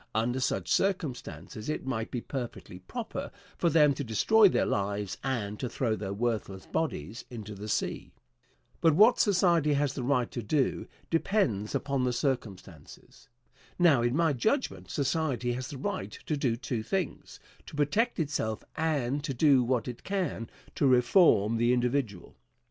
Under such circumstances it might be perfectly proper for them to destroy their lives and to throw their worthless bodies into the sea. But what society has the right to do depends upon the circumstances. Now, in my judgment, society has the right to do two things to protect itself and to do what it can to reform the individual.